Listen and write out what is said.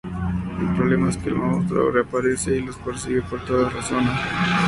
El problema es que el monstruo reaparece y los persigue por toda la zona.